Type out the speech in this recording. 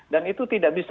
dan itu tidak bisa